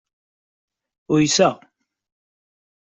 Uyseɣ.